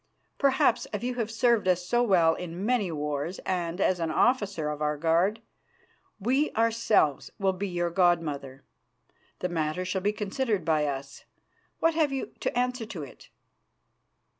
Perhaps, as you have served us so well in many wars and as an officer of our guard, we ourselves will be your god mother. The matter shall be considered by us. What have you to answer to it?"